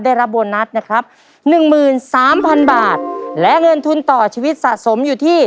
ได้รับโบนัสนะครับหนึ่งหมื่นสามพันบาทและเงินทุนต่อชีวิตสะสมอยู่ที่